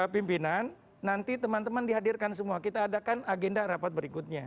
pimpinan nanti teman teman dihadirkan semua kita adakan agenda rapat berikutnya